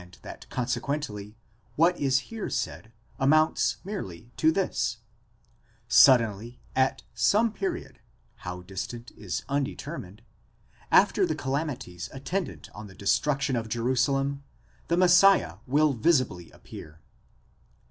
that consequently, what is here said amounts merely to this: suddenly, at some period (how distant is undetermined) after the calamities attendant on. the destruction of Jerusalem, the Messiah will visibly appear.